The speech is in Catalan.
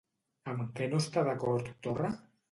Amb què no està d'acord Torra?